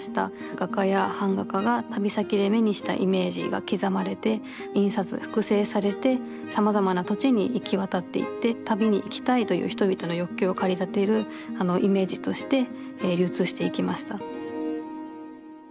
画家や版画家が旅先で目にしたイメージが刻まれて印刷複製されてさまざまな土地に行き渡っていって旅に行きたいという人々の欲求を駆り立てるイメージとして流通していきました。